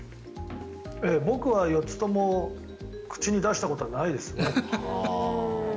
僕は４つとも口に出したことはないですね。